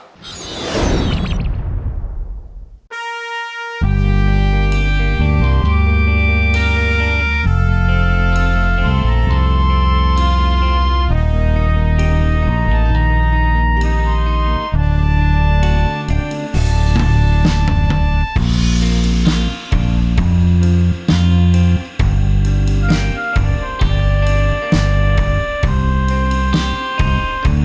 ก็มาเริ่มการแข่งขันกันเลยนะครับ